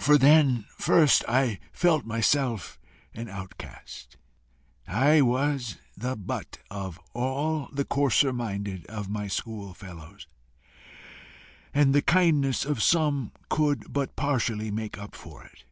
For then first I felt myself an outcast. I was the butt of all the coarser minded of my schoolfellows, and the kindness of some could but partially make up for it.